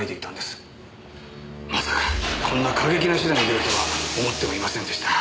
まさかこんな過激な手段に出るとは思ってもいませんでした。